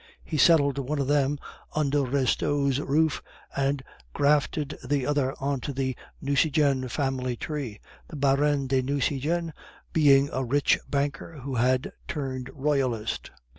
He settled one of them under Restaud's roof, and grafted the other into the Nucingen family tree, the Baron de Nucingen being a rich banker who had turned Royalist.